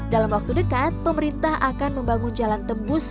dalam waktu dekat pemerintah akan membangun jalan tembus